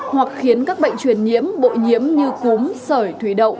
hoặc khiến các bệnh truyền nhiễm bội nhiễm như cúm sởi thủy đậu